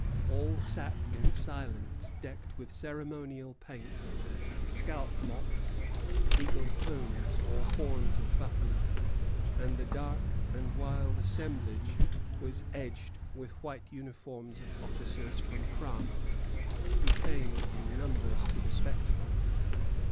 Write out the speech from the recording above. All sat in silence, decked with ceremonial paint, scalp locks, eagle plumes, or horns of buffalo; and the dark and wild assemblage was edged with white uniforms of officers from France, who came in numbers to the spectacle.